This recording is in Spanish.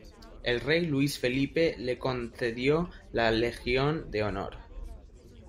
El rey Luis Felipe le concedió la Legión de Honor.